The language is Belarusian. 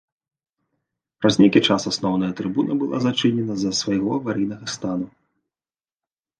Праз нейкі час асноўная трыбуна была зачынена з-за свайго аварыйнага стану.